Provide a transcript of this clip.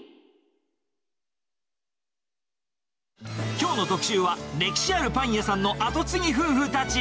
きょうの特集は、歴史あるパン屋さんの後継ぎ夫婦たち。